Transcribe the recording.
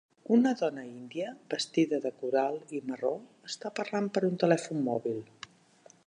Una dona índia vestida de coral i marró està parlant per un telèfon mòbil.